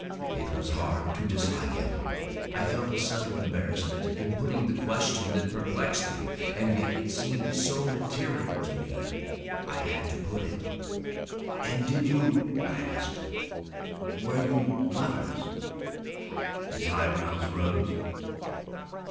It was hard to dislike him. I felt a subtle embarrassment in putting the question that perplexed me. And yet it seemed so material to me I had to put it. "And did you—?" I asked. "Were you—lovers?" His eyebrows rose.